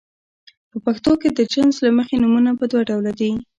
په پښتو کې د جنس له مخې نومونه په دوه ډوله دي.